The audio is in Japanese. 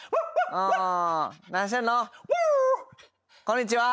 こんにちは。